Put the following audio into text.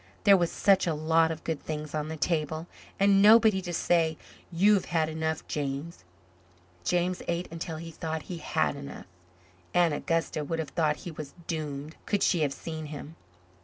There was such a lot of good things on the table and nobody to say "You have had enough, James." James ate until he thought he had enough. Aunt Augusta would have thought he was doomed, could she have seen him.